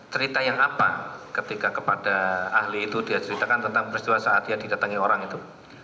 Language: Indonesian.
cerita yang apa ketika kepada ahli itu dia ceritakan tentang peristiwa saat dia didatangi orang itu